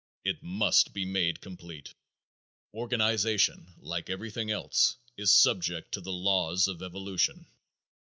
It must be made complete. Organization, like everything else, is subject to the laws of evolution.